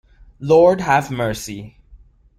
Lord Have Mercy!